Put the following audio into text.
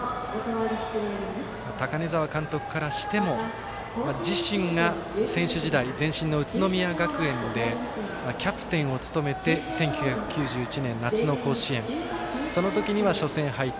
高根澤監督からしても自身が選手時代前身の宇都宮学園でキャプテンを務めて１９９１年の夏の甲子園その時には初戦敗退。